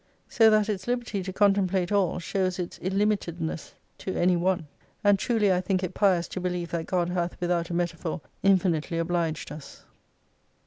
So that its liberty to con template all shows its illimitedness to any one. And truly I think it pious to believe that God hath without a metaphor infinitely obliged us.